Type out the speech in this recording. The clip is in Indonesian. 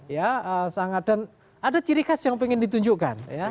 dan ada ciri khas yang ingin ditunjukkan